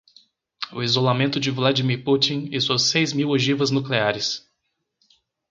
O isolamento de Vladimir Putin e suas seis mil ogivas nucleares